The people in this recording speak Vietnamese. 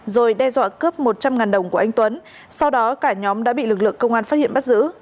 rồi đe dọa cướp một trăm linh đồng của anh tuấn sau đó cả nhóm đã bị lực lượng công an phát hiện bắt giữ